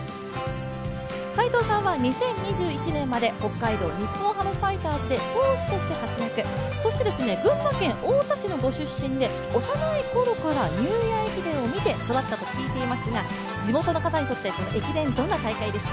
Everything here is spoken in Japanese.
斎藤さんは２０２１年まで北海道日本ハムファイターズで投手として活躍、そして群馬県太田市のご出身で幼いころからニューイヤー駅伝を見て育ったと聞いていますが、地元の方にとって駅伝、どんな大会ですか？